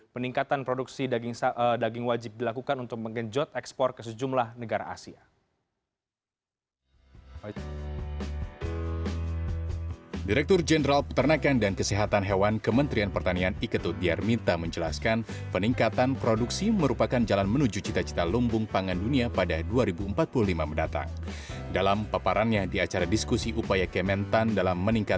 peningkatan produksi daging wajib dilakukan untuk mengenjot ekspor ke sejumlah negara asia